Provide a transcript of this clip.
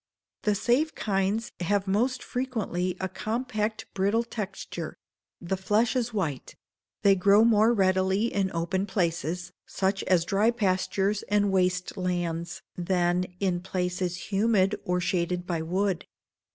The safe kinds have most frequently a compact, brittle texture; the flesh is white; they grow more readily in open places, such as dry pastures and waste lands, than in places humid or shaded by wood.